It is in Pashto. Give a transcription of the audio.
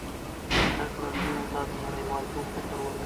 زده کړه نجونو ته د نړیوالتوب فکر ورکوي.